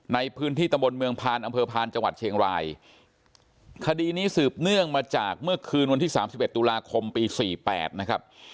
ในพื้นที่ตะบนเมืองพานอำเภอพานจังหวัดเชียงรายคดีนี้สืบเนื่องมาจากเมื่อคืนวันที่สามสิบเอ็ดตุลาคมปีสี่แปดนะครับ